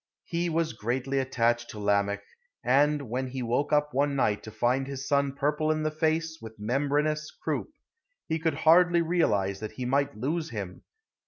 He was greatly attached to Lamech, and, when he woke up one night to find his son purple in the face with membraneous croup, he could hardly realize that he might lose him.